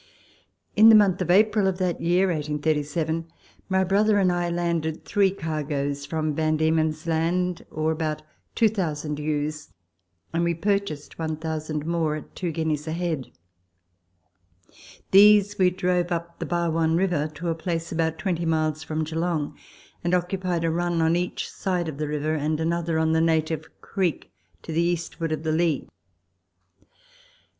In the month of April of that year (1837) my brother and I landed three cargoes from Van Diemen's Land, or about 2,000 ewes, and we purchased 1,000 more at two guineas a head. These we drove up the Barwon River to a place about twenty miles from Geelong, and occupied a run on each side of the river, and another on the Native Creek to the eastward of the Leigh.